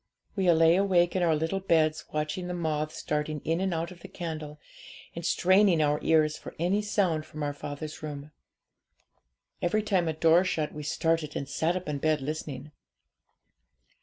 'We lay awake in our little beds watching the moths darting in and out of the candle, and straining our ears for any sound from our father's room. Each time a door shut we started, and sat up in bed listening.